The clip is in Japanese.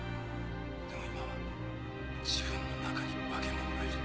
でも今は自分の中に化け物がいる。